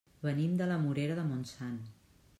Venim de la Morera de Montsant.